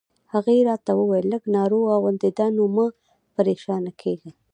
هغې راته وویل: لږ ناروغه غوندې ده، نو مه پرېشانه کېږه.